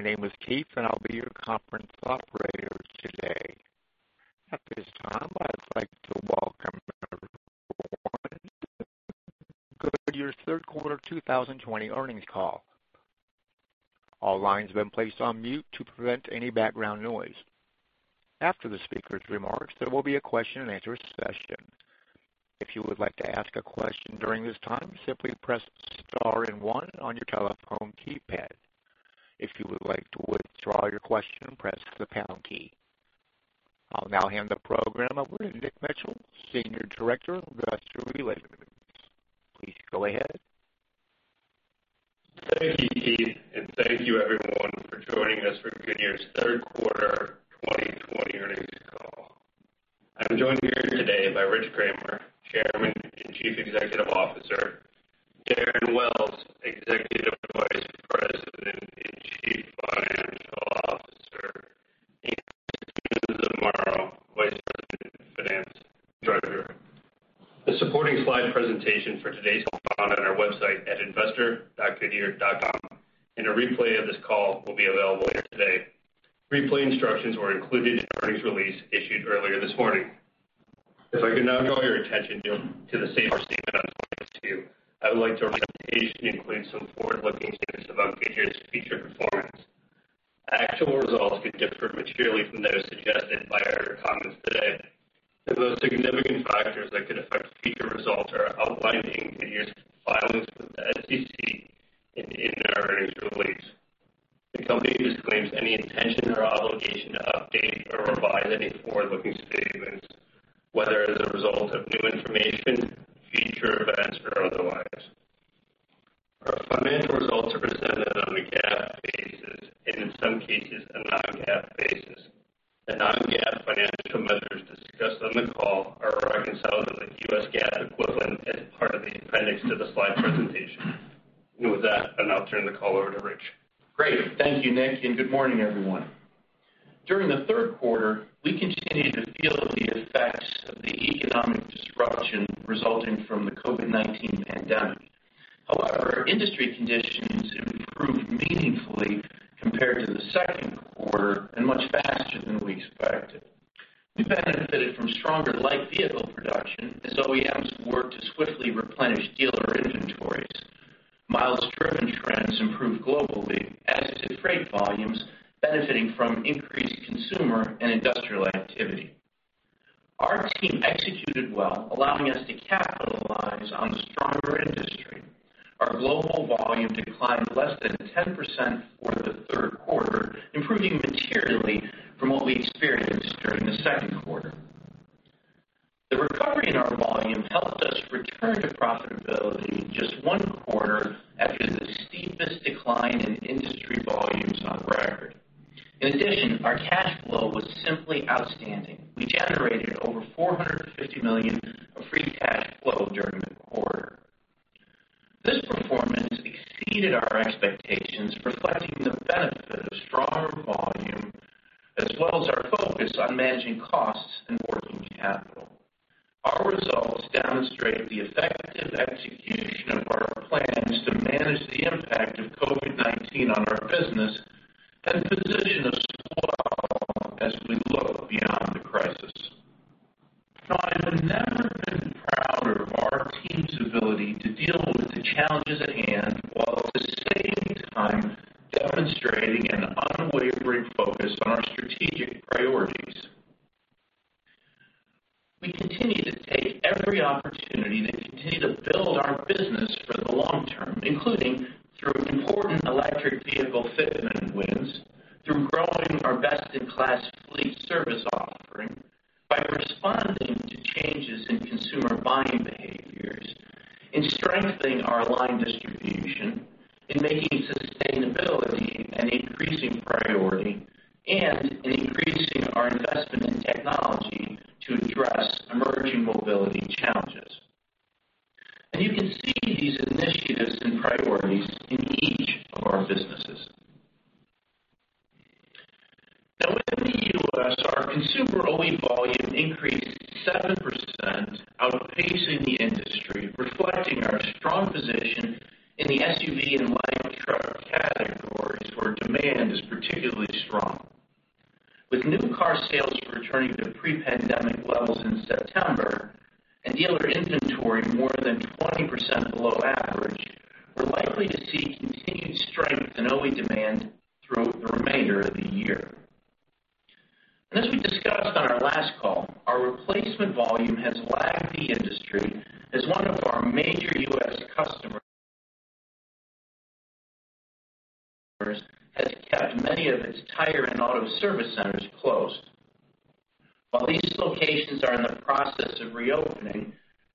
Good morning. My name is Keith, and I'll be your conference operator today. At this time, I'd like to welcome everyone to the Goodyear's third quarter 2020 earnings call. All lines have been placed on mute to prevent any background noise. After the speaker's remarks, there will be a question-and-answer session. If you would like to ask a question during this time, simply press star and one on your telephone keypad. If you would like to withdraw your question, press the pound key. I'll now hand the program over to Nick Mitchell, Senior Director of Investor Relations. Please go ahead. Thank you, Keith, and thank you, everyone, for joining us for Goodyear's third The company disclaims any intention or obligation to update or revise any forward-looking statements, whether as a result of new information, future events, or otherwise. Our financial results are presented on a GAAP basis and, in some cases, a non-GAAP basis. The non-GAAP financial measures discussed on the call are reconciled to the US GAAP equivalent as part of the appendix to the slide presentation, and with that, I'll turn the call over to Rich. Great. Thank you, Nick, and good morning, everyone. During the third quarter, we continued to feel the effects of the economic disruption resulting from the COVID-19 pandemic. However, industry conditions improved meaningfully compared to the second quarter and much faster than we expected. We benefited from stronger light vehicle production as OEMs worked to swiftly replenish dealer inventories. Miles-driven trends improved globally, as did freight volumes benefiting from increased consumer and industrial activity. Our team executed well, allowing us to capitalize on the stronger industry. Our global volume declined less than 10% for the third quarter, improving materially from what we experienced during the second quarter. The recovery in our volume helped us return to profitability just one quarter after the steepest decline in industry volumes on record. In addition, our cash flow was simply outstanding. We generated over $450 million of free cash flow during the quarter. This performance exceeded our expectations, reflecting the benefit of stronger volume as well as our focus on managing costs and working capital. Our results demonstrate the effective execution of our plans to manage the impact of COVID-19 on our business and position us forward as we look beyond the crisis. I have never been prouder of our team's ability to deal with the challenges at hand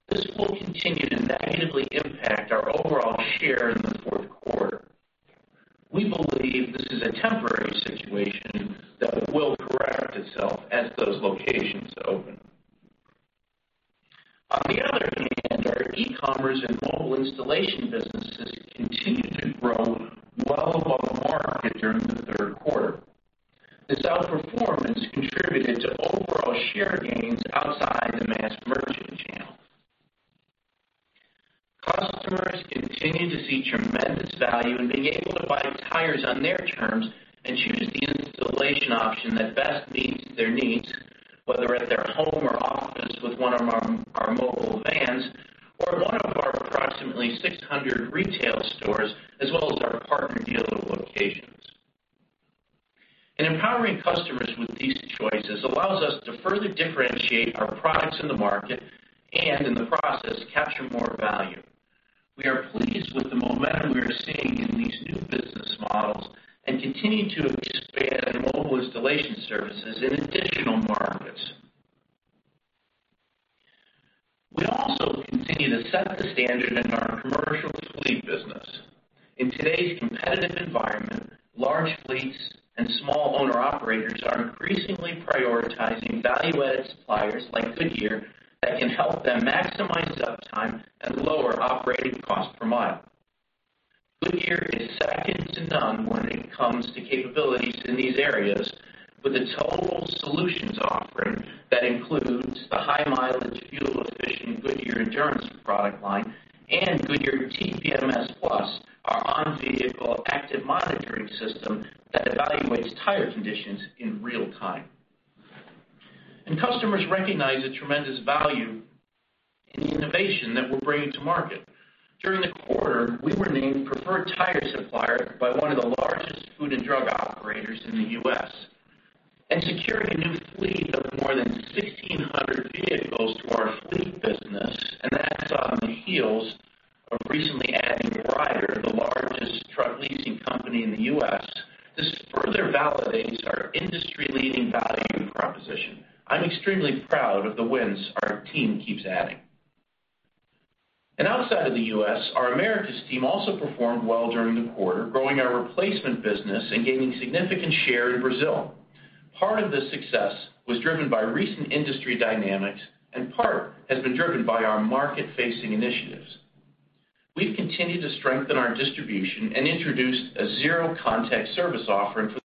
this will continue to negatively impact our overall share in the fourth quarter. We believe this is a temporary situation that will correct itself as those locations open. On the other hand, our e-commerce and mobile installation businesses continued to grow well above market during the third quarter. This outperformance contributed to overall share gains outside the mass merchant channel. Customers continue to see tremendous value in being able to buy tires on their terms and choose the installation option that best meets their needs, whether at their home or office with one of our mobile vans or at one of our approximately 600 retail stores as well as our partner dealer locations. In empowering customers with these choices, it allows us to further differentiate our products in the market and, in the process, capture more value. We are pleased with the momentum we are seeing in these new business models and continue to expand mobile installation services in additional markets. We also continue to set the standard in our commercial fleet business. In today's competitive environment, large fleets and small owner-operators are increasingly prioritizing value-added suppliers like Goodyear that can help them maximize uptime and lower operating costs per mile. Goodyear is second to none when it comes to capabilities in these areas, with a total solutions offering that includes the high-mileage fuel-efficient Goodyear Endurance product line and Goodyear TPMS Plus, our on-vehicle active monitoring system that evaluates tire conditions in real time, and customers recognize the tremendous value in the innovation that we're bringing to market. During the quarter, we were named preferred tire supplier by one of the largest food and drug operators in the U.S. and secured a new fleet of more than 1,600 vehicles to our fleet business, and that's on the heels of recently adding Ryder, the largest truck leasing company in the U.S. This further validates our industry-leading value proposition. I'm extremely proud of the wins our team keeps adding. Outside of the U.S., our Americas team also performed well during the quarter, growing our replacement business and gaining significant share in Brazil. Part of this success was driven by recent industry dynamics, and part has been driven by our market-facing initiatives. We've continued to strengthen our distribution and introduced a zero-contact service offering for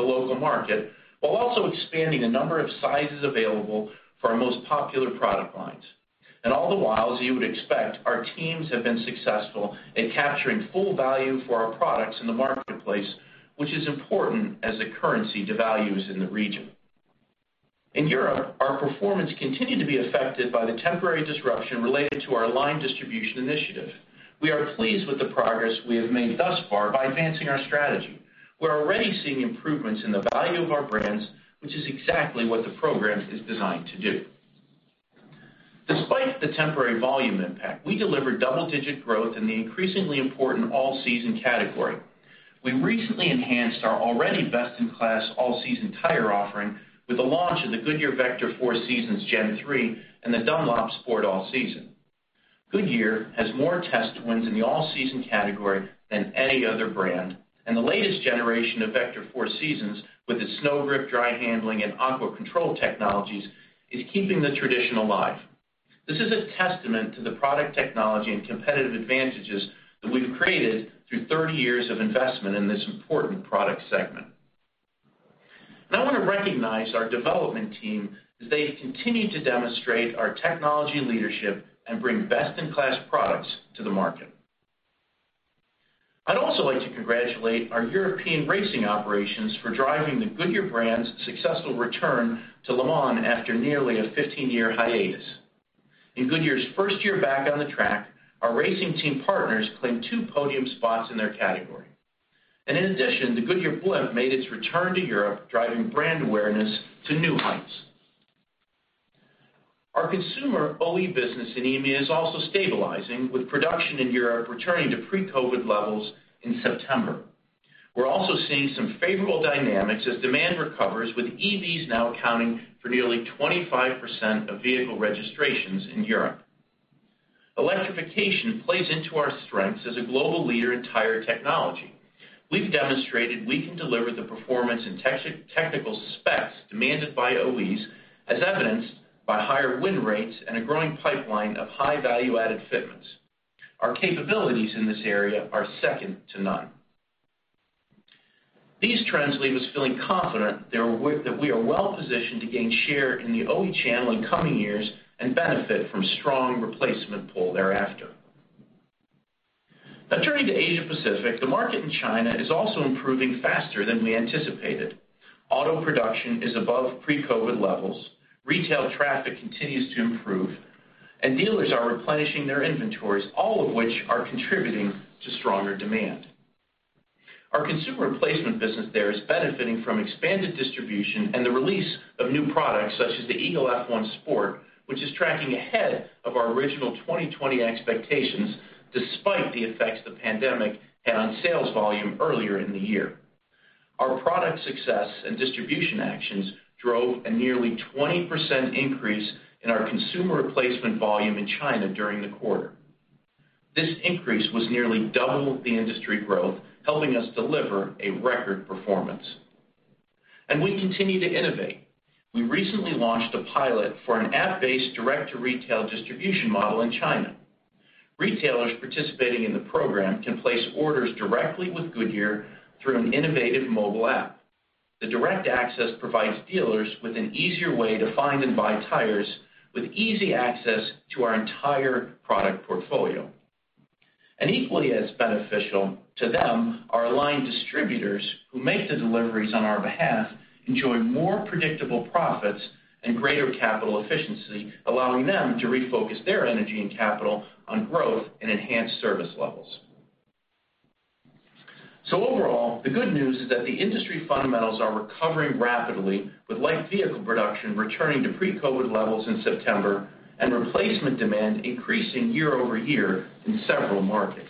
the local market while also expanding the number of sizes available for our most popular product lines. All the while, as you would expect, our teams have been successful at capturing full value for our products in the marketplace, which is important as a currency devalues in the region. In Europe, our performance continued to be affected by the temporary disruption related to our new distribution initiative. We are pleased with the progress we have made thus far by advancing our strategy. We're already seeing improvements in the value of our brands, which is exactly what the program is designed to do. Despite the temporary volume impact, we delivered double-digit growth in the increasingly important all-season category. We recently enhanced our already best-in-class all-season tire offering with the launch of the Goodyear Vector 4Seasons Gen-3 and the Dunlop Sport All Season. Goodyear has more test wins in the all-season category than any other brand, and the latest generation of Vector 4Seasons, with its snow-grip dry handling and aqua control technologies, is keeping the tradition alive. This is a testament to the product technology and competitive advantages that we've created through 30 years of investment in this important product segment. And I want to recognize our development team as they continue to demonstrate our technology leadership and bring best-in-class products to the market. I'd also like to congratulate our European racing operations for driving the Goodyear brand's successful return to Le Mans after nearly a 15-year hiatus. In Goodyear's first year back on the track, our racing team partners claimed two podium spots in their category. In addition, the Goodyear Blimp made its return to Europe, driving brand awareness to new heights. Our consumer OE business in EMEA is also stabilizing, with production in Europe returning to pre-COVID levels in September. We're also seeing some favorable dynamics as demand recovers, with EVs now accounting for nearly 25% of vehicle registrations in Europe. Electrification plays into our strengths as a global leader in tire technology. We've demonstrated we can deliver the performance and technical specs demanded by OEs, as evidenced by higher win rates and a growing pipeline of high-value-added fitments. Our capabilities in this area are second to none. These trends leave us feeling confident that we are well-positioned to gain share in the OE channel in coming years and benefit from a strong replacement pool thereafter. Now, turning to Asia-Pacific, the market in China is also improving faster than we anticipated. Auto production is above pre-COVID levels, retail traffic continues to improve, and dealers are replenishing their inventories, all of which are contributing to stronger demand. Our consumer replacement business there is benefiting from expanded distribution and the release of new products such as the Eagle F1 Sport, which is tracking ahead of our original 2020 expectations despite the effects the pandemic had on sales volume earlier in the year. Our product success and distribution actions drove a nearly 20% increase in our consumer replacement volume in China during the quarter. This increase was nearly double the industry growth, helping us deliver a record performance. We continue to innovate. We recently launched a pilot for an app-based direct-to-retail distribution model in China. Retailers participating in the program can place orders directly with Goodyear through an innovative mobile app. The direct access provides dealers with an easier way to find and buy tires, with easy access to our entire product portfolio. Equally as beneficial to them are aligned distributors who make the deliveries on our behalf, enjoy more predictable profits, and greater capital efficiency, allowing them to refocus their energy and capital on growth and enhanced service levels. Overall, the good news is that the industry fundamentals are recovering rapidly, with light vehicle production returning to pre-COVID levels in September and replacement demand increasing year over year in several markets.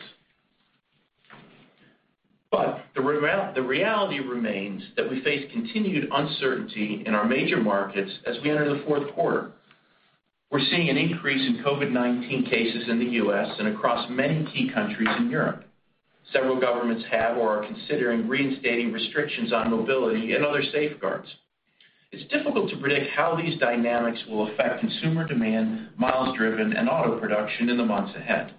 The reality remains that we face continued uncertainty in our major markets as we enter the fourth quarter. We're seeing an increase in COVID-19 cases in the U.S. and across many key countries in Europe. Several governments have or are considering reinstating restrictions on mobility and other safeguards. It's difficult to predict how these dynamics will affect consumer demand, miles-driven, and auto production in the months ahead.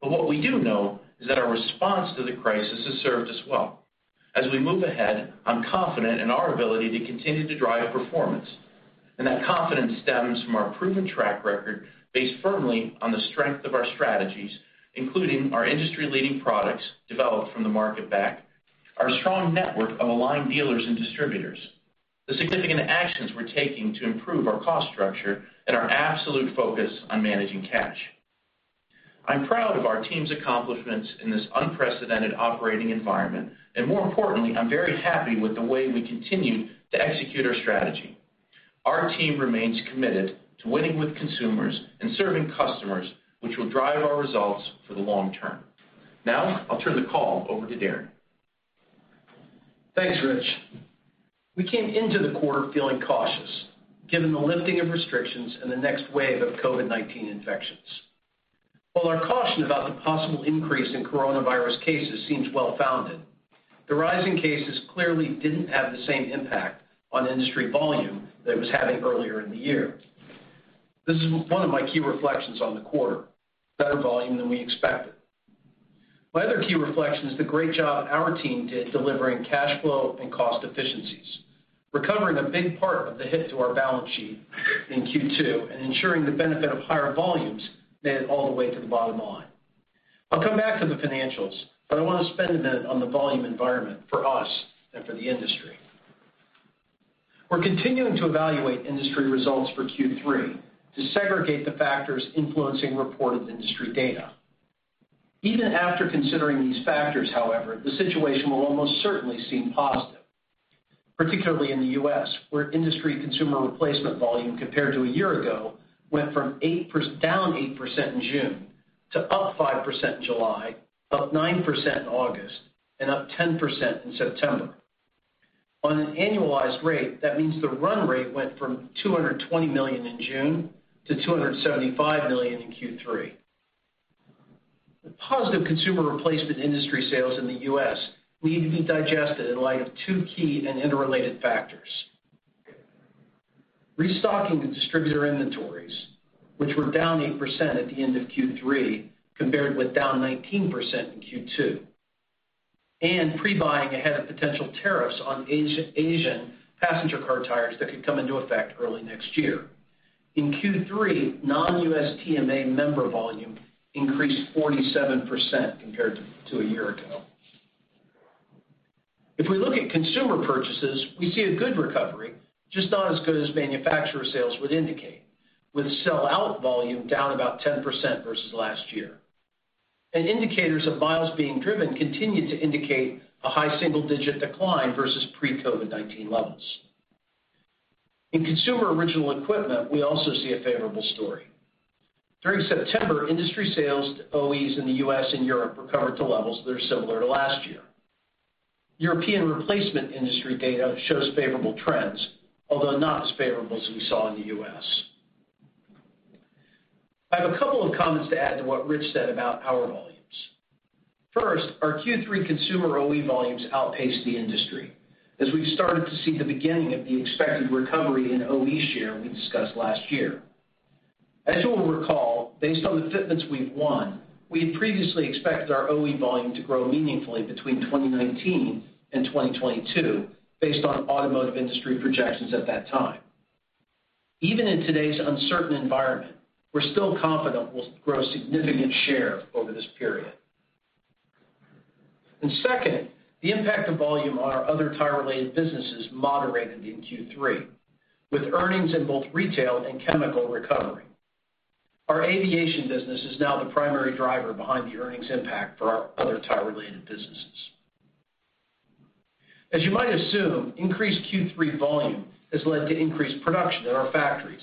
But what we do know is that our response to the crisis has served us well. As we move ahead, I'm confident in our ability to continue to drive performance. And that confidence stems from our proven track record based firmly on the strength of our strategies, including our industry-leading products developed from the market back, our strong network of aligned dealers and distributors, the significant actions we're taking to improve our cost structure, and our absolute focus on managing cash. I'm proud of our team's accomplishments in this unprecedented operating environment. And more importantly, I'm very happy with the way we continue to execute our strategy. Our team remains committed to winning with consumers and serving customers, which will drive our results for the long term. Now, I'll turn the call over to Darren. Thanks, Rich. We came into the quarter feeling cautious, given the lifting of restrictions and the next wave of COVID-19 infections. While our caution about the possible increase in coronavirus cases seems well-founded, the rising cases clearly didn't have the same impact on industry volume that it was having earlier in the year. This is one of my key reflections on the quarter: better volume than we expected. My other key reflection is the great job our team did delivering cash flow and cost efficiencies, recovering a big part of the hit to our balance sheet in Q2, and ensuring the benefit of higher volumes made it all the way to the bottom line. I'll come back to the financials, but I want to spend a minute on the volume environment for us and for the industry. We're continuing to evaluate industry results for Q3 to segregate the factors influencing reported industry data. Even after considering these factors, however, the situation will almost certainly seem positive, particularly in the U.S., where industry consumer replacement volume compared to a year ago went down 8% in June to up 5% in July, up 9% in August, and up 10% in September. On an annualized rate, that means the run rate went from $220 million in June to $275 million in Q3. Positive consumer replacement industry sales in the U.S. need to be digested in light of two key and interrelated factors: restocking the distributor inventories, which were down 8% at the end of Q3 compared with down 19% in Q2, and pre-buying ahead of potential tariffs on Asian passenger car tires that could come into effect early next year. In Q3, non-U.S. TMA member volume increased 47% compared to a year ago. If we look at consumer purchases, we see a good recovery, just not as good as manufacturer sales would indicate, with sell-out volume down about 10% versus last year. And indicators of miles being driven continue to indicate a high single-digit decline versus pre-COVID-19 levels. In consumer original equipment, we also see a favorable story. During September, industry sales to OEs in the U.S. and Europe recovered to levels that are similar to last year. European replacement industry data shows favorable trends, although not as favorable as we saw in the U.S. I have a couple of comments to add to what Rich said about our volumes. First, our Q3 consumer OE volumes outpaced the industry, as we've started to see the beginning of the expected recovery in OE share we discussed last year. As you will recall, based on the fitments we've won, we had previously expected our OE volume to grow meaningfully between 2019 and 2022 based on automotive industry projections at that time. Even in today's uncertain environment, we're still confident we'll grow a significant share over this period. And second, the impact of volume on our other tire-related businesses moderated in Q3, with earnings in both retail and chemical recovery. Our aviation business is now the primary driver behind the earnings impact for our other tire-related businesses. As you might assume, increased Q3 volume has led to increased production at our factories.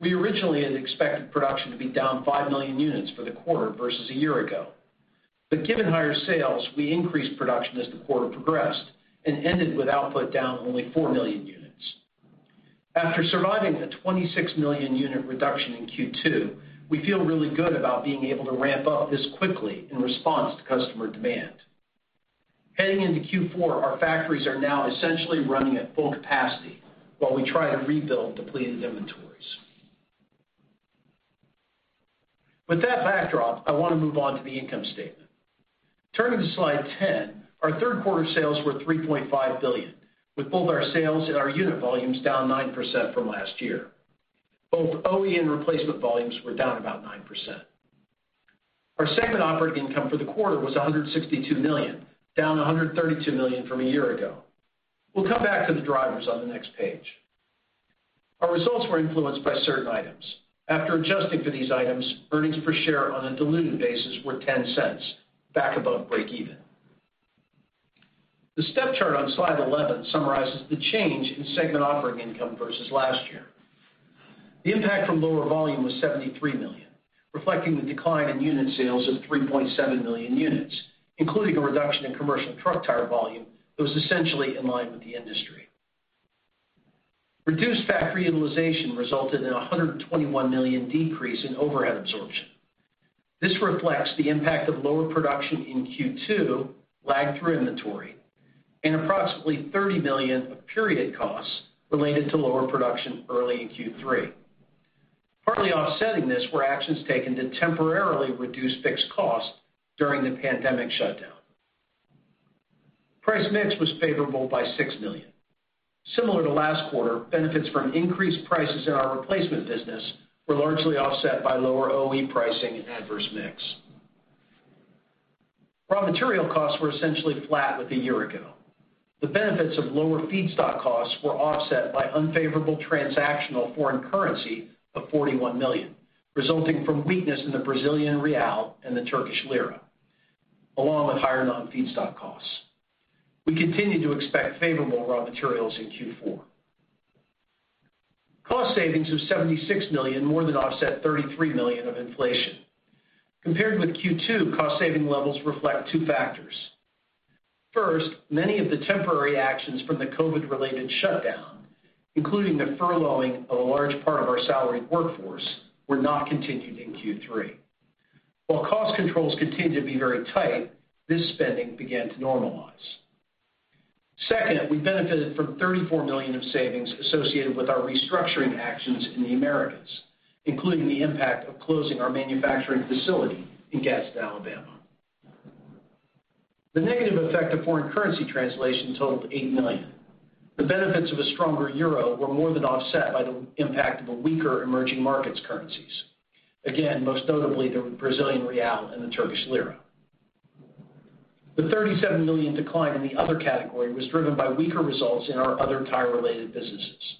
We originally had expected production to be down 5 million units for the quarter versus a year ago. But given higher sales, we increased production as the quarter progressed and ended with output down only 4 million units. After surviving a 26 million unit reduction in Q2, we feel really good about being able to ramp up this quickly in response to customer demand. Heading into Q4, our factories are now essentially running at full capacity while we try to rebuild depleted inventories. With that backdrop, I want to move on to the income statement. Turning to slide 10, our third-quarter sales were $3.5 billion, with both our sales and our unit volumes down 9% from last year. Both OE and replacement volumes were down about 9%. Our segment operating income for the quarter was $162 million, down $132 million from a year ago. We'll come back to the drivers on the next page. Our results were influenced by certain items. After adjusting for these items, earnings per share on a diluted basis were $0.10, back above break-even. The step chart on slide 11 summarizes the change in segment operating income versus last year. The impact from lower volume was $73 million, reflecting the decline in unit sales of 3.7 million units, including a reduction in commercial truck tire volume that was essentially in line with the industry. Reduced factory utilization resulted in a $121 million decrease in overhead absorption. This reflects the impact of lower production in Q2, lagged through inventory, and approximately $30 million of period costs related to lower production early in Q3. Partly offsetting this were actions taken to temporarily reduce fixed costs during the pandemic shutdown. Price mix was favorable by $6 million. Similar to last quarter, benefits from increased prices in our replacement business were largely offset by lower OE pricing and adverse mix. Raw material costs were essentially flat with a year ago. The benefits of lower feedstock costs were offset by unfavorable transactional foreign currency of $41 million, resulting from weakness in the Brazilian real and the Turkish lira, along with higher non-feedstock costs. We continue to expect favorable raw materials in Q4. Cost savings of $76 million more than offset $33 million of inflation. Compared with Q2, cost saving levels reflect two factors. First, many of the temporary actions from the COVID-related shutdown, including the furloughing of a large part of our salaried workforce, were not continued in Q3. While cost controls continued to be very tight, this spending began to normalize. Second, we benefited from $34 million of savings associated with our restructuring actions in the Americas, including the impact of closing our manufacturing facility in Gadsden, Alabama. The negative effect of foreign currency translation totaled $8 million. The benefits of a stronger euro were more than offset by the impact of weaker emerging markets' currencies. Again, most notably, the Brazilian real and the Turkish lira. The $37 million decline in the other category was driven by weaker results in our other tire-related businesses.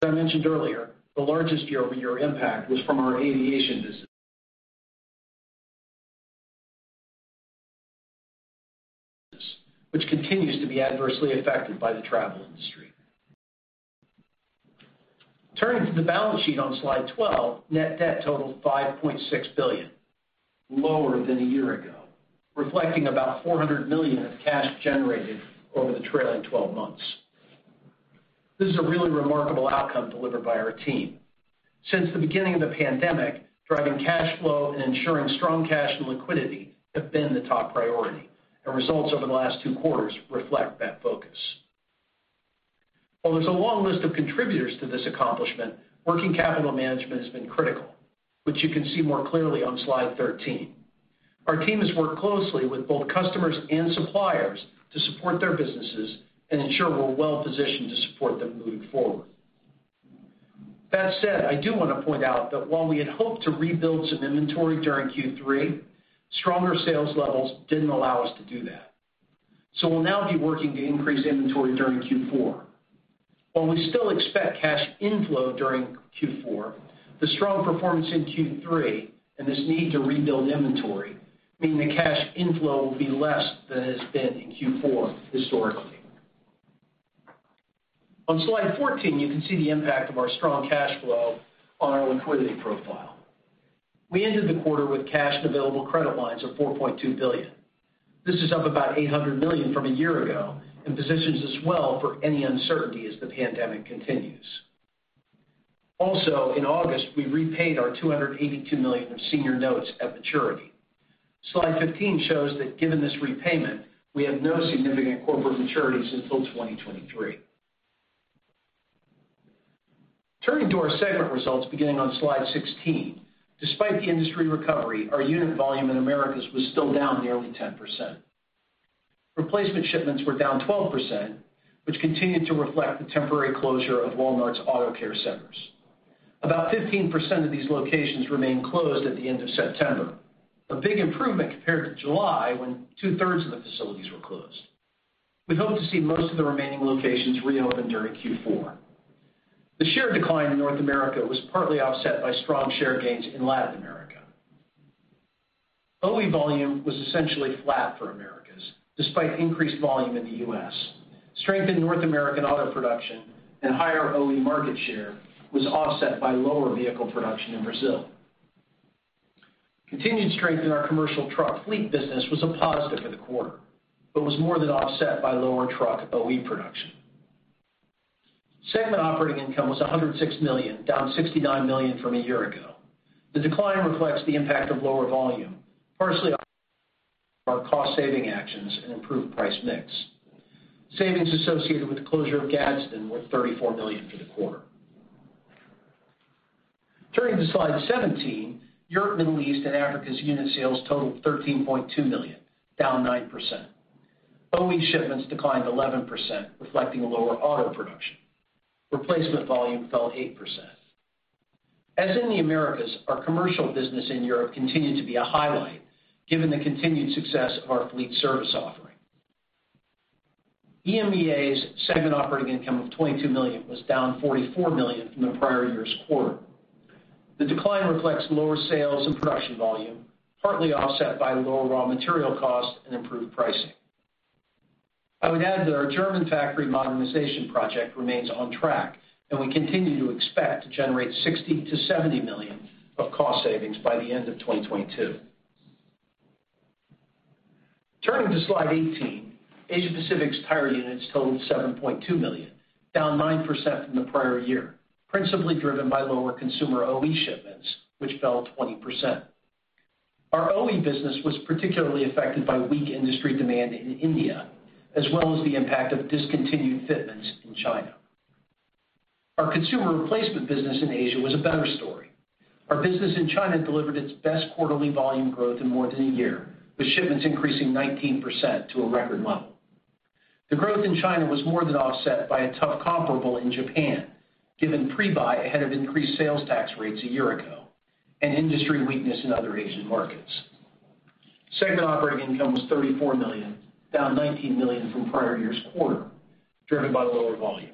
As I mentioned earlier, the largest year-over-year impact was from our aviation business, which continues to be adversely affected by the travel industry. Turning to the balance sheet on slide 12, net debt totaled $5.6 billion, lower than a year ago, reflecting about $400 million of cash generated over the trailing 12 months. This is a really remarkable outcome delivered by our team. Since the beginning of the pandemic, driving cash flow and ensuring strong cash and liquidity have been the top priority, and results over the last two quarters reflect that focus. While there's a long list of contributors to this accomplishment, working capital management has been critical, which you can see more clearly on slide 13. Our team has worked closely with both customers and suppliers to support their businesses and ensure we're well-positioned to support them moving forward. That said, I do want to point out that while we had hoped to rebuild some inventory during Q3, stronger sales levels didn't allow us to do that. So we'll now be working to increase inventory during Q4. While we still expect cash inflow during Q4, the strong performance in Q3 and this need to rebuild inventory mean the cash inflow will be less than it has been in Q4 historically. On slide 14, you can see the impact of our strong cash flow on our liquidity profile. We ended the quarter with cash and available credit lines of $4.2 billion. This is up about $800 million from a year ago and positions us well for any uncertainty as the pandemic continues. Also, in August, we repaid our $282 million of senior notes at maturity. Slide 15 shows that given this repayment, we have no significant corporate maturities until 2023. Turning to our segment results beginning on slide 16, despite the industry recovery, our unit volume in Americas was still down nearly 10%. Replacement shipments were down 12%, which continued to reflect the temporary closure of Walmart's Auto Care Centers. About 15% of these locations remained closed at the end of September, a big improvement compared to July when two-thirds of the facilities were closed. We hope to see most of the remaining locations reopen during Q4. The share decline in North America was partly offset by strong share gains in Latin America. OE volume was essentially flat for Americas despite increased volume in the US. Strength in North American auto production and higher OE market share was offset by lower vehicle production in Brazil. Continued strength in our commercial truck fleet business was a positive for the quarter but was more than offset by lower truck OE production. Segment operating income was $106 million, down $69 million from a year ago. The decline reflects the impact of lower volume, partially our cost-saving actions and improved price mix. Savings associated with the closure of Gadsden were $34 million for the quarter. Turning to slide 17, Europe, Middle East, and Africa's unit sales totaled $13.2 million, down 9%. OE shipments declined 11%, reflecting lower auto production. Replacement volume fell 8%. As in the Americas, our commercial business in Europe continued to be a highlight given the continued success of our fleet service offering. EMEA's segment operating income of $22 million was down $44 million from the prior year's quarter. The decline reflects lower sales and production volume, partly offset by lower raw material costs and improved pricing. I would add that our German factory modernization project remains on track, and we continue to expect to generate $60-$70 million of cost savings by the end of 2022. Turning to slide 18, Asia-Pacific's tire units totaled 7.2 million, down 9% from the prior year, principally driven by lower consumer OE shipments, which fell 20%. Our OE business was particularly affected by weak industry demand in India, as well as the impact of discontinued fitments in China. Our consumer replacement business in Asia was a better story. Our business in China delivered its best quarterly volume growth in more than a year, with shipments increasing 19% to a record level. The growth in China was more than offset by a tough comparable in Japan, given pre-buy ahead of increased sales tax rates a year ago and industry weakness in other Asian markets. Segment operating income was $34 million, down $19 million from prior year's quarter, driven by lower volume.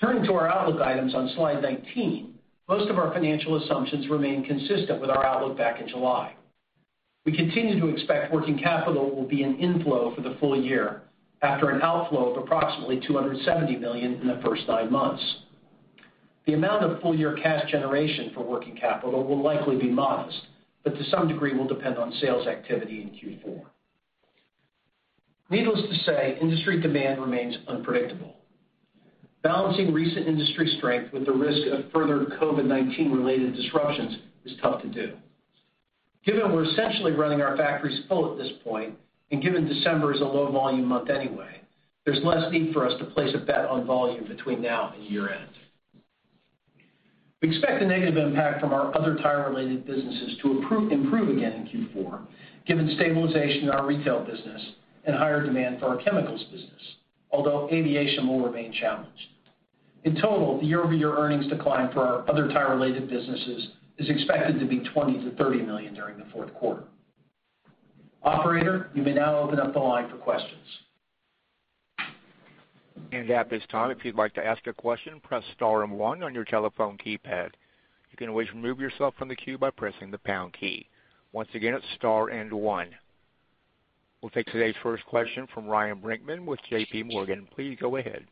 Turning to our outlook items on slide 19, most of our financial assumptions remain consistent with our outlook back in July. We continue to expect working capital will be in inflow for the full year after an outflow of approximately $270 million in the first nine months. The amount of full-year cash generation for working capital will likely be modest, but to some degree will depend on sales activity in Q4. Needless to say, industry demand remains unpredictable. Balancing recent industry strength with the risk of further COVID-19-related disruptions is tough to do. Given we're essentially running our factories full at this point and given December is a low-volume month anyway, there's less need for us to place a bet on volume between now and year-end. We expect a negative impact from our other tire-related businesses to improve again in Q4, given stabilization in our retail business and higher demand for our chemicals business, although aviation will remain challenged. In total, the year-over-year earnings decline for our other tire-related businesses is expected to be $20 million-$30 million during the fourth quarter. Operator, you may now open up the line for questions. Hands up this time. If you'd like to ask a question, press Star and One on your telephone keypad. You can always remove yourself from the queue by pressing the pound key. Once again, it's Star and One. We'll take today's first question from Ryan Brinkman with J.P. Morgan. Please go ahead.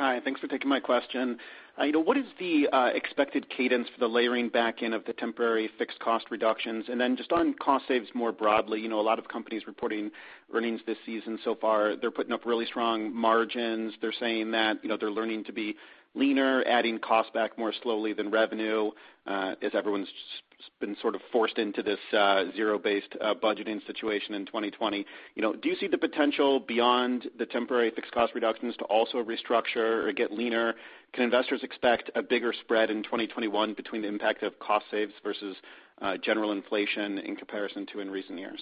Hi. Thanks for taking my question. What is the expected cadence for the layering back in of the temporary fixed cost reductions? Then just on cost saves more broadly, a lot of companies reporting earnings this season so far, they're putting up really strong margins. They're saying that they're learning to be leaner, adding cost back more slowly than revenue as everyone's been sort of forced into this zero-based budgeting situation in 2020. Do you see the potential beyond the temporary fixed cost reductions to also restructure or get leaner? Can investors expect a bigger spread in 2021 between the impact of cost saves versus general inflation in comparison to in recent years?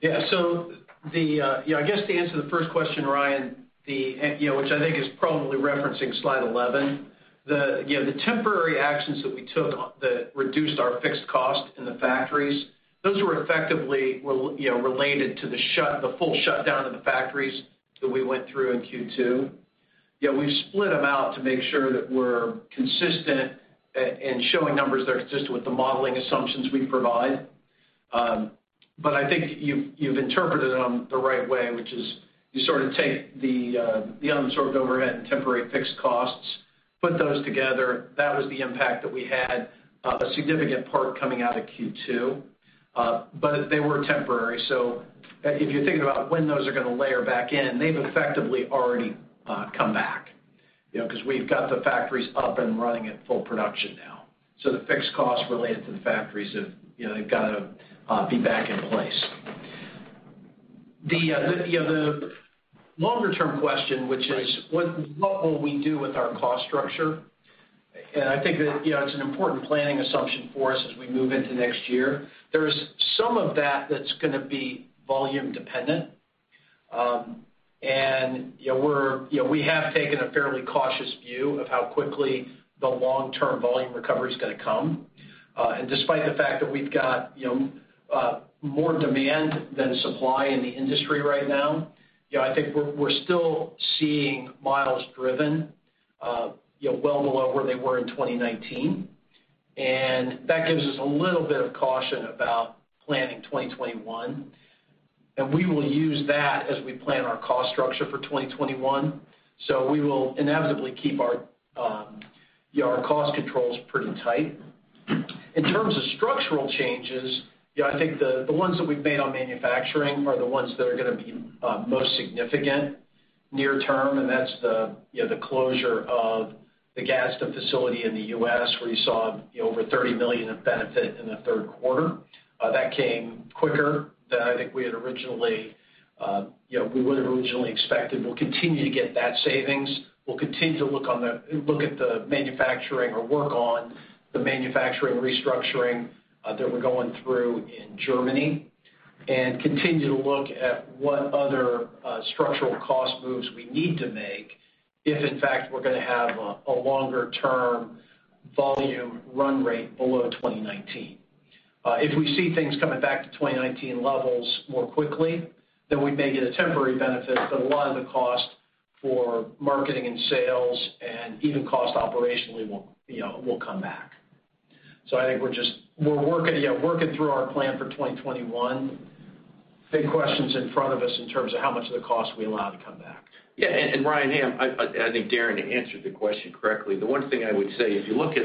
Yeah, so I guess to answer the first question, Ryan, which I think is probably referencing slide 11, the temporary actions that we took that reduced our fixed cost in the factories, those were effectively related to the full shutdown of the factories that we went through in Q2. We've split them out to make sure that we're consistent in showing numbers that are consistent with the modeling assumptions we provide, but I think you've interpreted them the right way, which is you sort of take the unabsorbed overhead and temporary fixed costs, put those together. That was the impact that we had a significant part coming out of Q2, but they were temporary, so if you're thinking about when those are going to layer back in, they've effectively already come back because we've got the factories up and running at full production now, so the fixed costs related to the factories, they've got to be back in place. The longer-term question, which is what will we do with our cost structure, and I think that it's an important planning assumption for us as we move into next year. There's some of that that's going to be volume-dependent. We have taken a fairly cautious view of how quickly the long-term volume recovery is going to come. Despite the fact that we've got more demand than supply in the industry right now, I think we're still seeing miles driven well below where they were in 2019. That gives us a little bit of caution about planning 2021. We will use that as we plan our cost structure for 2021. We will inevitably keep our cost controls pretty tight. In terms of structural changes, I think the ones that we've made on manufacturing are the ones that are going to be most significant near term, and that's the closure of the Gadsden facility in the US, where you saw over $30 million of benefit in the third quarter. That came quicker than I think we had originally expected. We'll continue to get that savings. We'll continue to look at the manufacturing or work on the manufacturing restructuring that we're going through in Germany and continue to look at what other structural cost moves we need to make if, in fact, we're going to have a longer-term volume run rate below 2019. If we see things coming back to 2019 levels more quickly, then we may get a temporary benefit, but a lot of the cost for marketing and sales and even cost operationally will come back. So I think we're working through our plan for 2021. Big questions in front of us in terms of how much of the cost we allow to come back. Yeah, and Ryan, I think Darren answered the question correctly. The one thing I would say, if you look at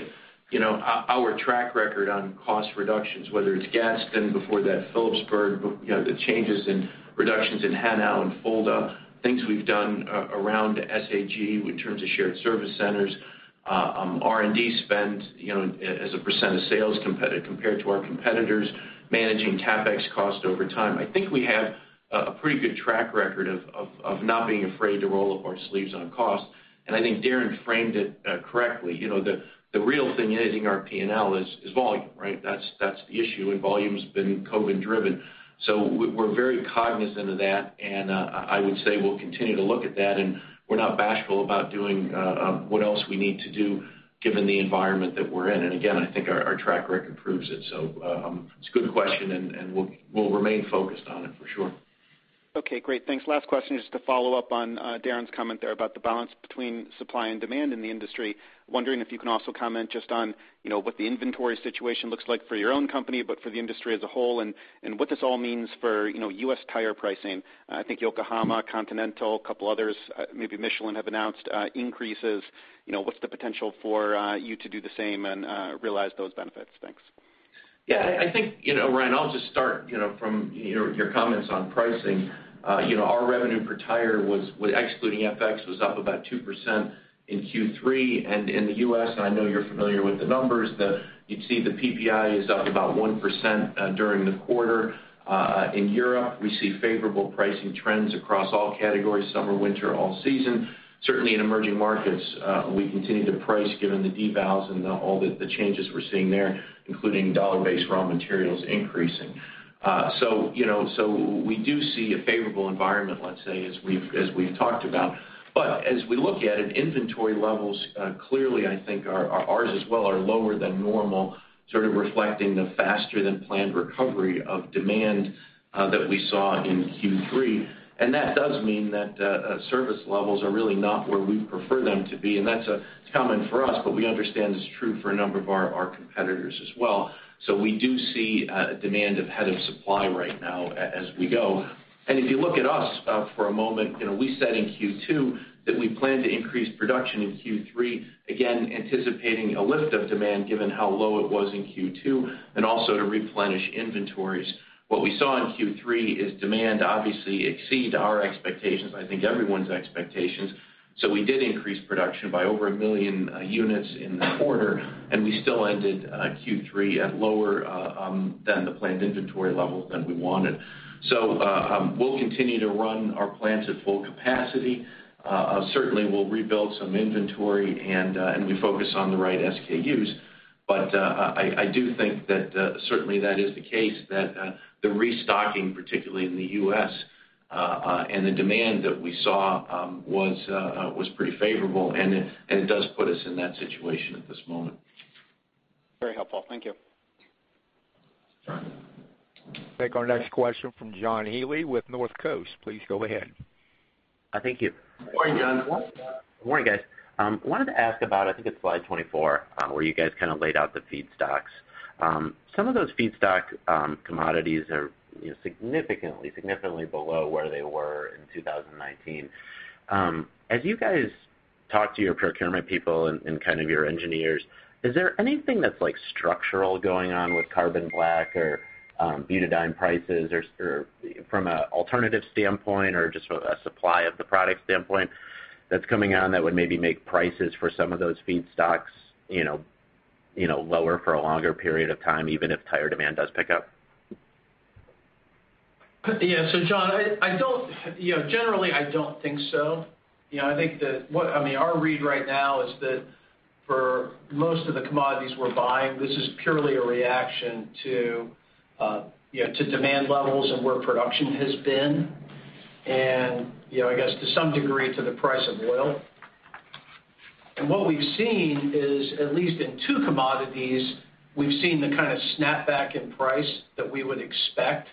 our track record on cost reductions, whether it's Gadsden before that Philippsburg, the changes in reductions in Hanau and Fulda, things we've done around SAG in terms of shared service centers, R&D spend as a % of sales compared to our competitors, managing CapEx cost over time, I think we have a pretty good track record of not being afraid to roll up our sleeves on cost, and I think Darren framed it correctly, the real thing editing our P&L is volume, right? That's the issue, and volume has been COVID-driven, so we're very cognizant of that, and I would say we'll continue to look at that, and we're not bashful about doing what else we need to do given the environment that we're in, and again, I think our track record proves it. It's a good question, and we'll remain focused on it for sure. Okay. Great. Thanks. Last question, just to follow up on Darren's comment there about the balance between supply and demand in the industry. Wondering if you can also comment just on what the inventory situation looks like for your own company, but for the industry as a whole, and what this all means for U.S. tire pricing. I think Yokohama, Continental, a couple others, maybe Michelin have announced increases. What's the potential for you to do the same and realize those benefits? Thanks. Yeah. I think, Ryan, I'll just start from your comments on pricing. Our revenue per tire, excluding FX, was up about 2% in Q3. And in the U.S., and I know you're familiar with the numbers, you'd see the PPI is up about 1% during the quarter. In Europe, we see favorable pricing trends across all categories: summer, winter, all season. Certainly, in emerging markets, we continue to price given the devals and all the changes we're seeing there, including dollar-based raw materials increasing. So we do see a favorable environment, let's say, as we've talked about. But as we look at it, inventory levels clearly, I think, are ours as well, are lower than normal, sort of reflecting the faster-than-planned recovery of demand that we saw in Q3. And that does mean that service levels are really not where we prefer them to be. And that's common for us, but we understand it's true for a number of our competitors as well. So we do see a demand ahead of supply right now as we go. If you look at us for a moment, we said in Q2 that we plan to increase production in Q3, again, anticipating a lift of demand given how low it was in Q2, and also to replenish inventories. What we saw in Q3 is demand obviously exceed our expectations, I think everyone's expectations. We did increase production by over a million units in the quarter, and we still ended Q3 at lower than the planned inventory levels than we wanted. We'll continue to run our plants at full capacity. Certainly, we'll rebuild some inventory and we focus on the right SKUs. I do think that certainly that is the case, that the restocking, particularly in the U.S., and the demand that we saw was pretty favorable, and it does put us in that situation at this moment. Very helpful. Thank you. Take our next question from John Healy with Northcoast. Please go ahead. Thank you. Good morning, John. Good morning, guys. I wanted to ask about, I think it's slide 24, where you guys kind of laid out the feedstocks. Some of those feedstock commodities are significantly, significantly below where they were in 2019. As you guys talk to your procurement people and kind of your engineers, is there anything that's structural going on with carbon black or butadiene prices from an alternative standpoint or just from a supply of the product standpoint that's coming on that would maybe make prices for some of those feedstocks lower for a longer period of time, even if tire demand does pick up? Yeah. So, John, generally, I don't think so. I think that, I mean, our read right now is that for most of the commodities we're buying, this is purely a reaction to demand levels and where production has been, and I guess to some degree to the price of oil. And what we've seen is, at least in two commodities, we've seen the kind of snapback in price that we would expect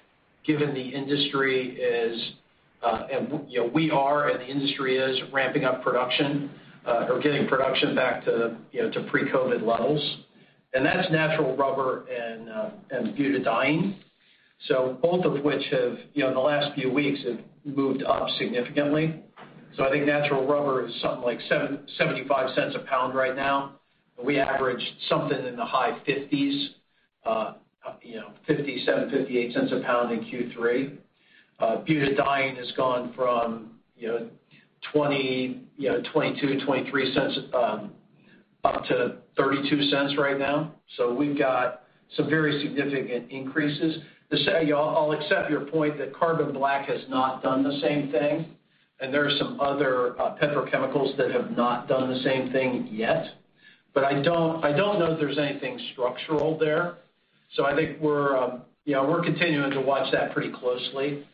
given the industry is, and we are, and the industry is ramping up production or getting production back to pre-COVID levels. And that's natural rubber and butadiene, so both of which in the last few weeks have moved up significantly. So I think natural rubber is something like $0.75 a pound right now. We averaged something in the high 50s, $0.57, $0.58 a pound in Q3. Butadiene has gone from $0.22, $0.23 up to $0.32 right now. So we've got some very significant increases. I'll accept your point that carbon black has not done the same thing, and there are some other petrochemicals that have not done the same thing yet. But I don't know that there's anything structural there. So I think we're continuing to watch that pretty closely.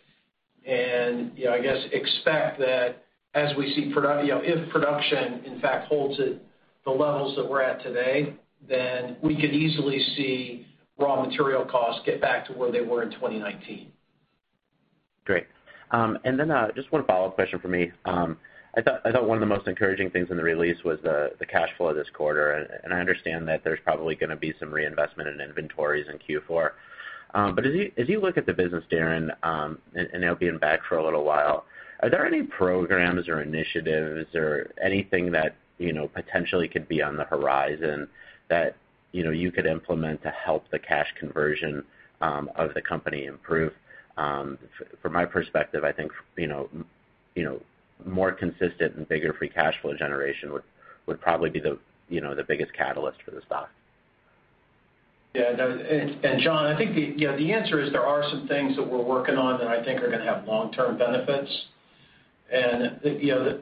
And I guess expect that as we see if production, in fact, holds at the levels that we're at today, then we could easily see raw material costs get back to where they were in 2019. Great. And then just one follow-up question from me. I thought one of the most encouraging things in the release was the cash flow this quarter. And I understand that there's probably going to be some reinvestment in inventories in Q4. But as you look at the business, Darren, and it'll be in the black for a little while, are there any programs or initiatives or anything that potentially could be on the horizon that you could implement to help the cash conversion of the company improve? From my perspective, I think more consistent and bigger free cash flow generation would probably be the biggest catalyst for the stock. Yeah. John, I think the answer is there are some things that we're working on that I think are going to have long-term benefits.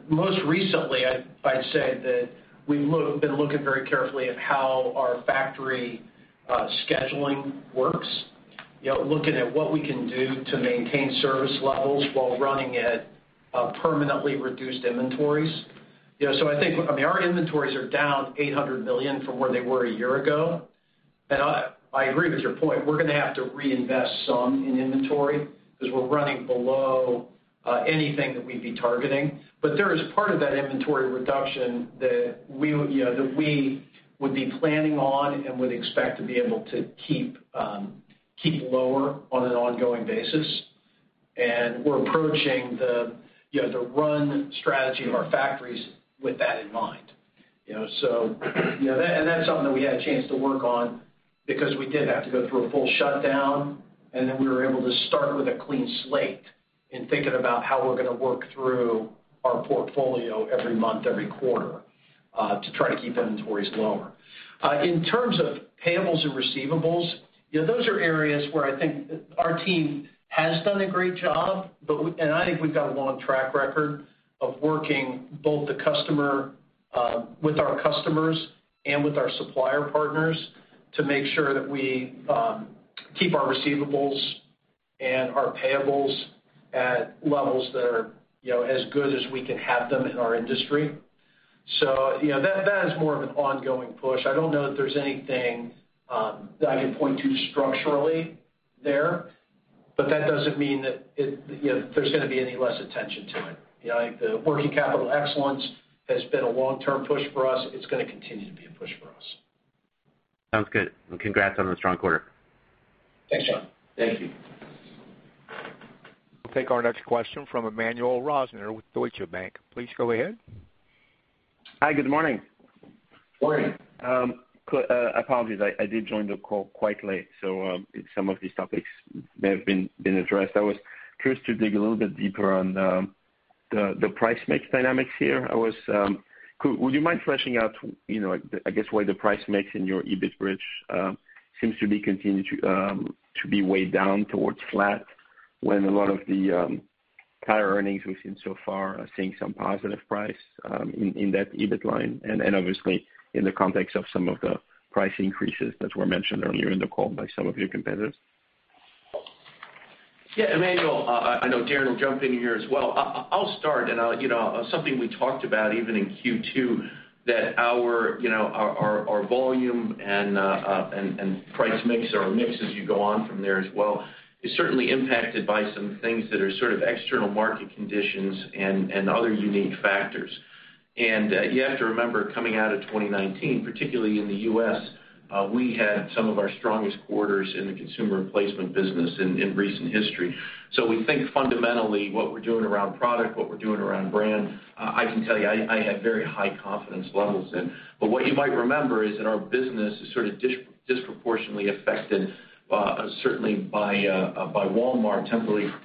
Most recently, I'd say that we've been looking very carefully at how our factory scheduling works, looking at what we can do to maintain service levels while running at permanently reduced inventories. So I think, I mean, our inventories are down $800 million from where they were a year ago. I agree with your point. We're going to have to reinvest some in inventory because we're running below anything that we'd be targeting. But there is part of that inventory reduction that we would be planning on and would expect to be able to keep lower on an ongoing basis. And we're approaching the run strategy of our factories with that in mind. So that's something that we had a chance to work on because we did have to go through a full shutdown, and then we were able to start with a clean slate in thinking about how we're going to work through our portfolio every month, every quarter to try to keep inventories lower. In terms of payables and receivables, those are areas where I think our team has done a great job. And I think we've got a long track record of working both with our customers and with our supplier partners to make sure that we keep our receivables and our payables at levels that are as good as we can have them in our industry. So that is more of an ongoing push. I don't know that there's anything that I can point to structurally there, but that doesn't mean that there's going to be any less attention to it. The working capital excellence has been a long-term push for us. It's going to continue to be a push for us. Sounds good. And congrats on the strong quarter. Thanks, John. Thank you. We'll take our next question from Emmanuel Rosner with Deutsche Bank. Please go ahead. Hi. Good morning. Morning. Apologies. I did join the call quite late, so some of these topics may have been addressed. I was curious to dig a little bit deeper on the price mix dynamics here. Would you mind fleshing out, I guess, why the price mix in your EBIT bridge seems to be continuing to be weighed down towards flat when a lot of the tire earnings we've seen so far are seeing some positive price in that EBIT line, and obviously, in the context of some of the price increases that were mentioned earlier in the call by some of your competitors? Yeah. Emmanuel, I know Darren will jump in here as well. I'll start, and something we talked about even in Q2, that our volume and price mix or mixes you go on from there as well is certainly impacted by some things that are sort of external market conditions and other unique factors. And you have to remember, coming out of 2019, particularly in the U.S., we had some of our strongest quarters in the consumer replacement business in recent history. So we think fundamentally what we're doing around product, what we're doing around brand, I can tell you I have very high confidence levels in. But what you might remember is that our business is sort of disproportionately affected, certainly by Walmart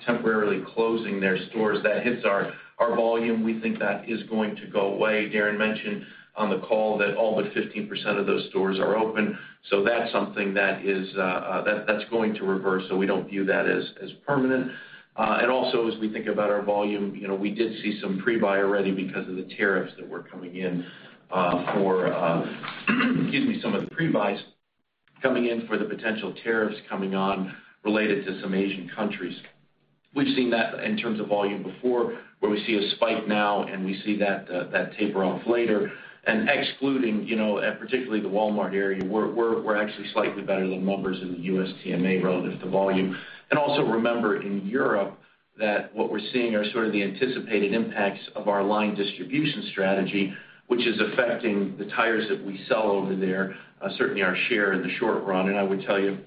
temporarily closing their stores. That hits our volume. We think that is going to go away. Darren mentioned on the call that all but 15% of those stores are open. So that's something that's going to reverse, so we don't view that as permanent. And also, as we think about our volume, we did see some pre-buy already because of the tariffs that were coming in for, excuse me, some of the pre-buys coming in for the potential tariffs coming on related to some Asian countries. We've seen that in terms of volume before, where we see a spike now, and we see that taper off later. Excluding particularly the Walmart area, we're actually slightly better than numbers in the U.S. TMA relative to volume. Also remember in Europe that what we're seeing are sort of the anticipated impacts of our line distribution strategy, which is affecting the tires that we sell over there, certainly our share in the short run. I would tell you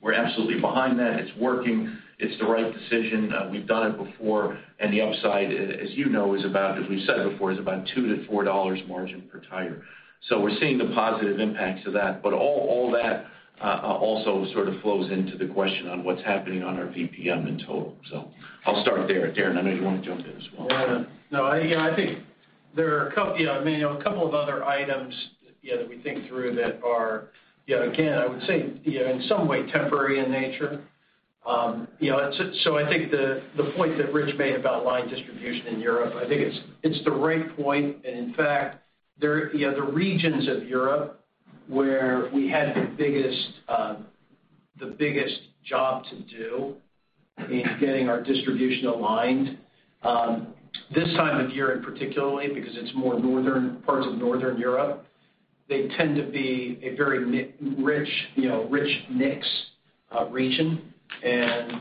we're absolutely behind that. It's working. It's the right decision. We've done it before. The upside, as you know, is about, as we've said before, is about $2-$4 margin per tire. We're seeing the positive impacts of that. But all that also sort of flows into the question on what's happening on our VPM in total. I'll start there. Darren, I know you want to jump in as well. Yeah. No. I think there are a couple of other items that we think through that are, again, I would say in some way temporary in nature. I think the point that Rich made about line distribution in Europe is the right point. In fact, the regions of Europe where we had the biggest job to do in getting our distribution aligned, this time of year in particular, because it's more northern parts of northern Europe, tend to be a very rich mix region. And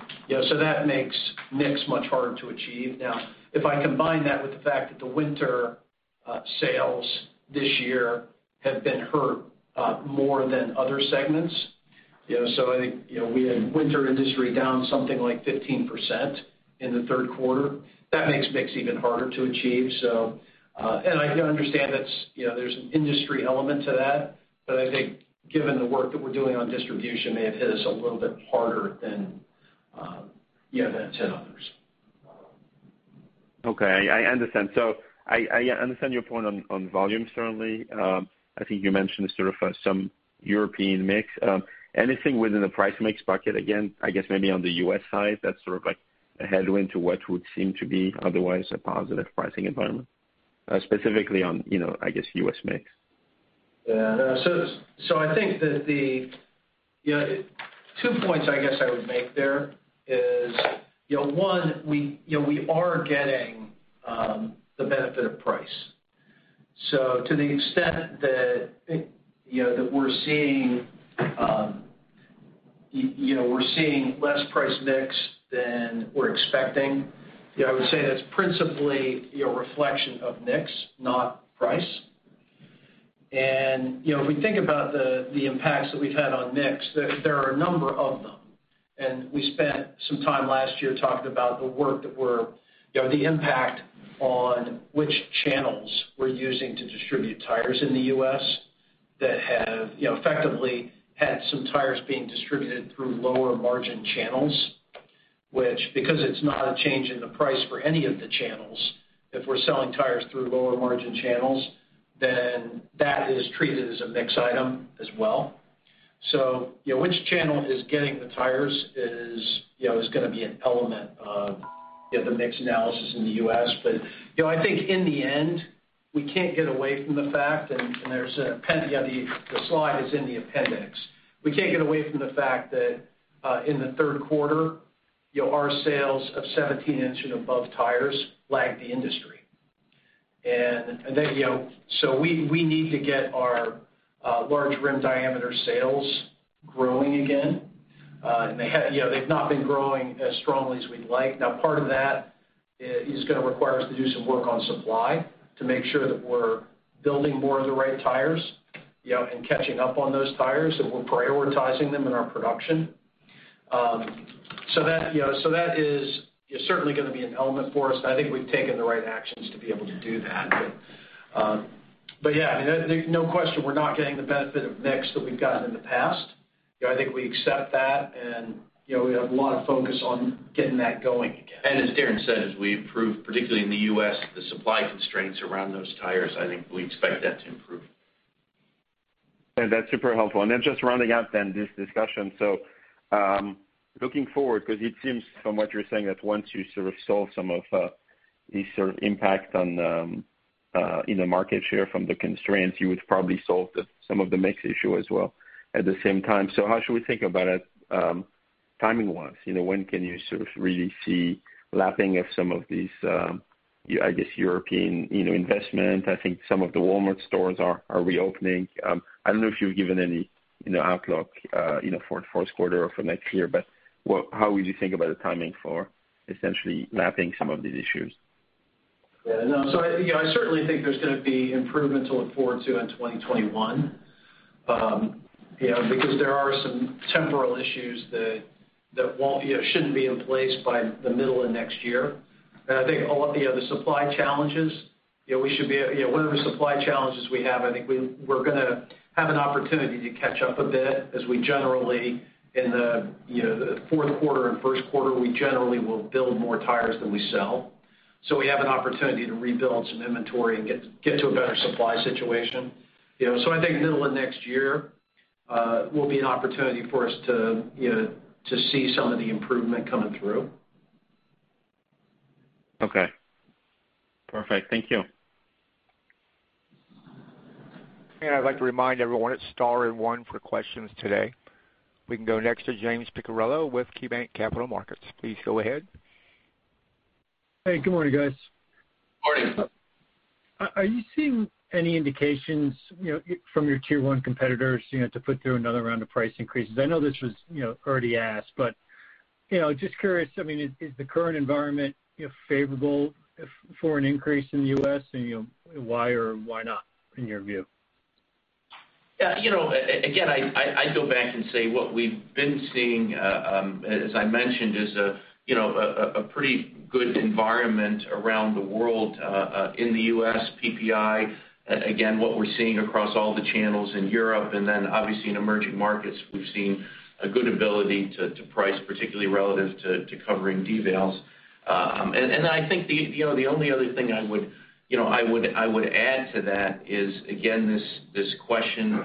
so that makes mix much harder to achieve. Now, if I combine that with the fact that the winter sales this year have been hurt more than other segments, so I think we had winter industry down something like 15% in the third quarter, that makes mix even harder to achieve. And I understand there's an industry element to that, but I think given the work that we're doing on distribution, it may have hit us a little bit harder than it's hit others. Okay. I understand. So I understand your point on volume certainly. I think you mentioned sort of some European mix. Anything within the price mix bucket, again, I guess maybe on the US side, that's sort of a headwind to what would seem to be otherwise a positive pricing environment, specifically on, I guess, US mix? Yeah. I think that the two points I guess I would make there is, one, we are getting the benefit of price. To the extent that we're seeing less price mix than we're expecting, I would say that's principally a reflection of mix, not price. If we think about the impacts that we've had on mix, there are a number of them. We spent some time last year talking about the work that we're doing. The impact on which channels we're using to distribute tires in the U.S. that have effectively had some tires being distributed through lower margin channels, which, because it's not a change in the price for any of the channels, if we're selling tires through lower margin channels, then that is treated as a mix item as well. So which channel is getting the tires is going to be an element of the mix analysis in the U.S. But I think in the end, we can't get away from the fact, and there's a slide in the appendix, that in the third quarter, our sales of 17-inch and above tires lagged the industry. And so we need to get our large rim diameter sales growing again. And they've not been growing as strongly as we'd like. Now, part of that is going to require us to do some work on supply to make sure that we're building more of the right tires and catching up on those tires and we're prioritizing them in our production. So that is certainly going to be an element for us. And I think we've taken the right actions to be able to do that. But yeah, I mean, no question, we're not getting the benefit of mix that we've gotten in the past. I think we accept that, and we have a lot of focus on getting that going again. And as Darren said, as we improve, particularly in the U.S., the supply constraints around those tires, I think we expect that to improve. And that's super helpful. And then just rounding out then this discussion, so looking forward, because it seems from what you're saying that once you sort of solve some of these sort of impact in the market share from the constraints, you would probably solve some of the mix issue as well at the same time. So how should we think about it timing-wise? When can you sort of really see lapping of some of these, I guess, European investment? I think some of the Walmart stores are reopening. I don't know if you've given any outlook for the first quarter or for next year, but how would you think about the timing for essentially lapping some of these issues? Yeah. So I certainly think there's going to be improvements to look forward to in 2021 because there are some temporal issues that shouldn't be in place by the middle of next year. And I think the supply challenges, we should be one of the supply challenges we have, I think we're going to have an opportunity to catch up a bit as we generally in the fourth quarter and first quarter, we generally will build more tires than we sell. So we have an opportunity to rebuild some inventory and get to a better supply situation. So I think middle of next year will be an opportunity for us to see some of the improvement coming through. Okay. Perfect. Thank you. And I'd like to remind everyone it's Star and One for questions today. We can go next to James Picariello with KeyBanc Capital Markets. Please go ahead. Hey. Good morning, guys. Morning. Are you seeing any indications from your tier one competitors to put through another round of price increases? I know this was already asked, but just curious, I mean, is the current environment favorable for an increase in the U.S.? And why or why not in your view? Yeah. Again, I go back and say what we've been seeing, as I mentioned, is a pretty good environment around the world in the U.S. PPI. Again, what we're seeing across all the channels in Europe. And then obviously in emerging markets, we've seen a good ability to price, particularly relative to covering devaluations. And I think the only other thing I would add to that is, again, this question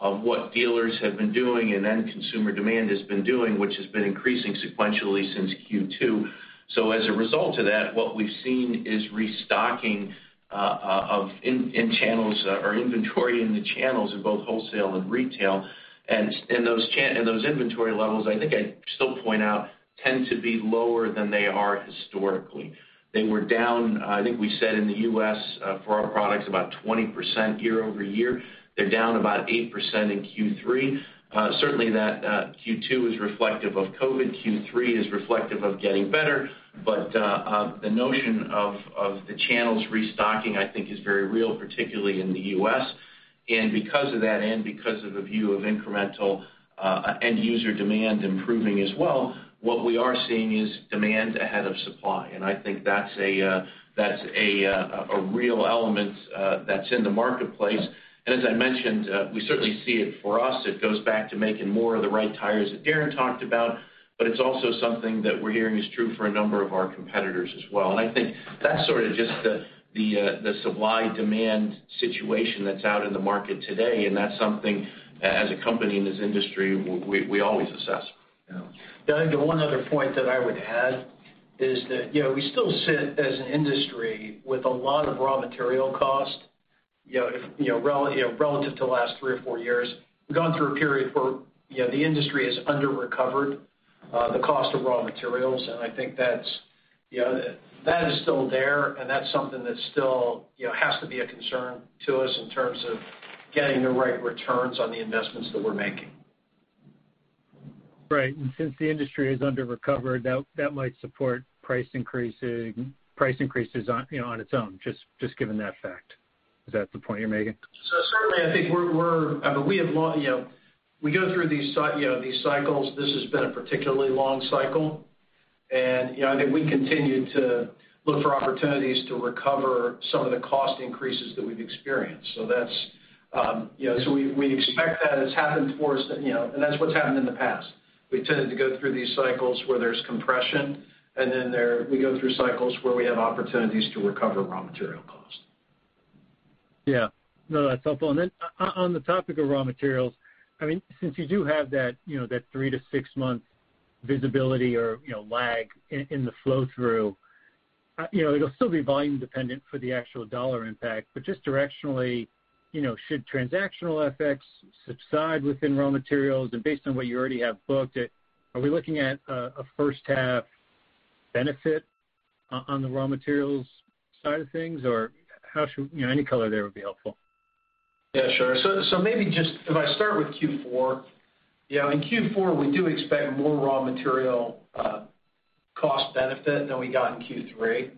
of what dealers have been doing and then consumer demand has been doing, which has been increasing sequentially since Q2. So as a result of that, what we've seen is restocking in channels or inventory in the channels in both wholesale and retail. And those inventory levels, I think I still point out, tend to be lower than they are historically. They were down, I think we said in the U.S. for our products about 20% year over year. They're down about 8% in Q3. Certainly, that Q2 is reflective of COVID. Q3 is reflective of getting better. But the notion of the channels restocking, I think, is very real, particularly in the U.S. And because of that and because of a view of incremental end user demand improving as well, what we are seeing is demand ahead of supply. And I think that's a real element that's in the marketplace. And as I mentioned, we certainly see it for us. It goes back to making more of the right tires that Darren talked about, but it's also something that we're hearing is true for a number of our competitors as well. And I think that's sort of just the supply demand situation that's out in the market today. And that's something as a company in this industry, we always assess. Yeah. Now, I think one other point that I would add is that we still sit as an industry with a lot of raw material cost relative to the last three or four years. We've gone through a period where the industry has under-recovered the cost of raw materials. And I think that is still there. And that's something that still has to be a concern to us in terms of getting the right returns on the investments that we're making. Right. And since the industry is under-recovered, that might support price increases on its own, just given that fact. Is that the point you're making? So certainly, I think we go through these cycles. This has been a particularly long cycle. And I think we continue to look for opportunities to recover some of the cost increases that we've experienced. So we expect that it's happened for us. And that's what's happened in the past. We tended to go through these cycles where there's compression, and then we go through cycles where we have opportunities to recover raw material cost. Yeah. No, that's helpful. And then on the topic of raw materials, I mean, since you do have that three- to six-month visibility or lag in the flow-through, it'll still be volume-dependent for the actual dollar impact. But just directionally, should transactional effects subside within raw materials? And based on what you already have booked, are we looking at a first-half benefit on the raw materials side of things? Or any color there would be helpful. Yeah. Sure. So maybe just if I start with Q4. In Q4, we do expect more raw material cost benefit than we got in Q3.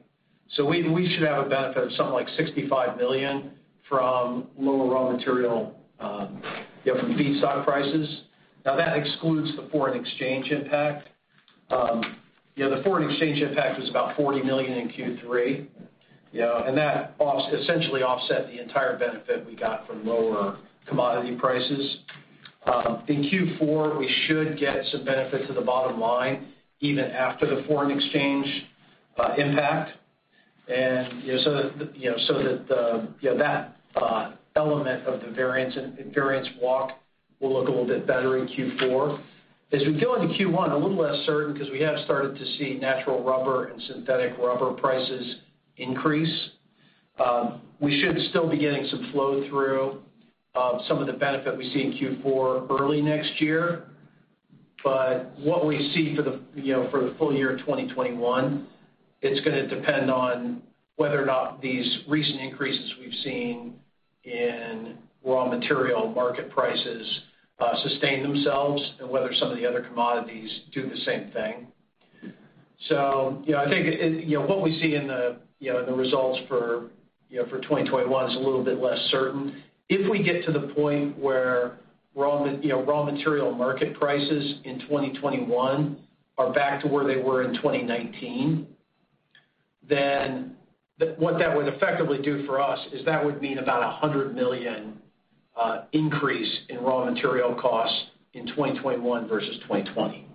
So we should have a benefit of something like $65 million from lower raw material from feedstock prices. Now, that excludes the foreign exchange impact. The foreign exchange impact was about $40 million in Q3. And that essentially offset the entire benefit we got from lower commodity prices. In Q4, we should get some benefit to the bottom line even after the foreign exchange impact. And so that element of the variance walk will look a little bit better in Q4. As we go into Q1, a little less certain because we have started to see natural rubber and synthetic rubber prices increase. We should still be getting some flow-through of some of the benefit we see in Q4 early next year. But what we see for the full year of 2021, it's going to depend on whether or not these recent increases we've seen in raw material market prices sustain themselves and whether some of the other commodities do the same thing. So I think what we see in the results for 2021 is a little bit less certain. If we get to the point where raw material market prices in 2021 are back to where they were in 2019, then what that would effectively do for us is that would mean about a $100 million increase in raw material costs in 2021 versus 2020,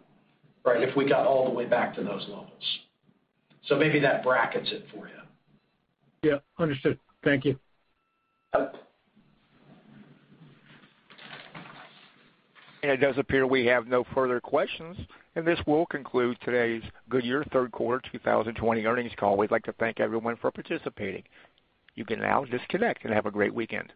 right, if we got all the way back to those levels. So maybe that brackets it for you. Yeah. Understood. Thank you. And it does appear we have no further questions. And this will conclude today's Goodyear Third Quarter 2020 earnings call. We'd like to thank everyone for participating. You can now disconnect and have a great weekend.